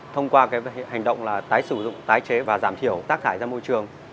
thông qua hành động là tái sử dụng tái chế và giảm thiểu tác thải ra môi trường